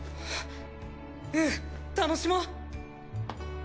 うん楽しもう！